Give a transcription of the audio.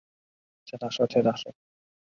筑波技术大学是日本的一所国立大学。